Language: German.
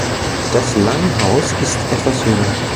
Das Langhaus ist etwas jünger.